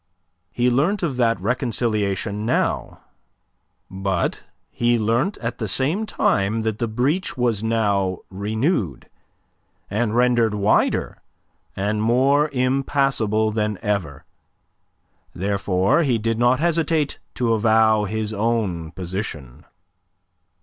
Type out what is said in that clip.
He learnt of that reconciliation now; but he learnt at the same time that the breach was now renewed, and rendered wider and more impassable than ever. Therefore he did not hesitate to avow his own position.